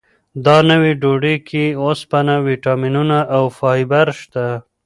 دا نوې ډوډۍ کې اوسپنه، ویټامینونه او فایبر شته.